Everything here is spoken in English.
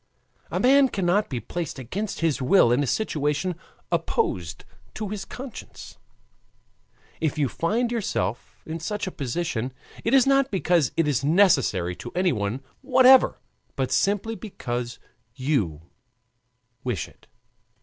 A man cannot be placed against his will in a situation opposed to his conscience. If you find yourself in such a position it is not because it is necessary to anyone whatever, but simply because you wish it.